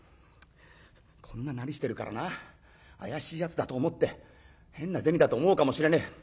こんななりしてるからな怪しいやつだと思って変な銭だと思うかもしれねえ。